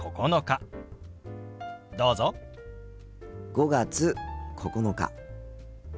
５月９日。